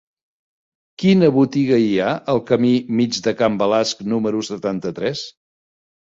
Quina botiga hi ha al camí Mig de Can Balasc número setanta-tres?